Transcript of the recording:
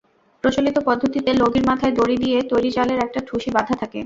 প্রচলিত পদ্ধতিতে লগির মাথায় দড়ি দিয়ে তৈরি জালের একটা ঠুসি বাঁধা থাকে।